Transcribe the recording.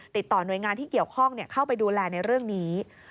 ติดต่อหน่วยงานที่เกี่ยวข้องเข้าไปดูแลในเรื่องนี้